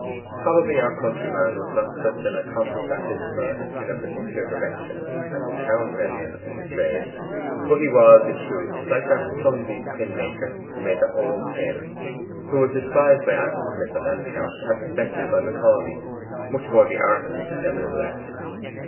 Probably our countryman was not such an accomplished artificer in a particular direction as his town brethren in the trades. But he was, in truth, like that clumsy pin maker who made the whole pin, and who was despised by Adam Smith on that account and respected by Macaulay, much more the artist nevertheless.